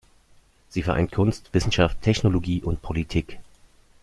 Sie vereint Kunst, Wissenschaft, Technologie und Politik.